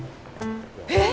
えっ！？